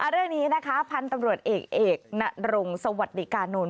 เรื่องนี้นะคะพันธุ์ตำรวจเอกเอกนรงสวัสดิกานนท์